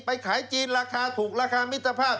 ขายจีนราคาถูกราคามิตรภาพ